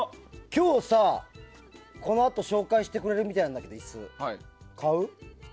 今日さ、このあと紹介してくれるみたいなんだけど椅子買う？